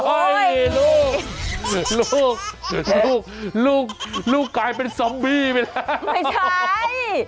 โอ้ยลูกลูกลูกลูกกลายเป็นซอมบี้ไปแล้ว